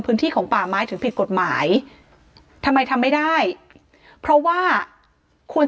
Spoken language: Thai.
พื้นที่ของป่าไม้ถึงผิดกฎหมายทำไมทำไม่ได้เพราะว่าควร